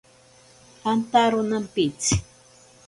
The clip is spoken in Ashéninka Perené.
Antaro nampitsi.